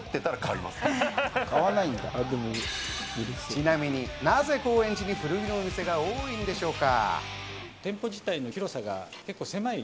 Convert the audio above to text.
ちなみに、なぜ高円寺に古着の店が多いんでしょうか？